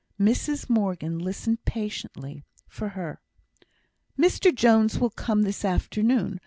Mrs Morgan listened patiently for her. "Mr Jones will come this afternoon.